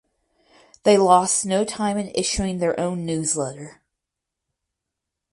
They lost no time in issuing their own newsletter.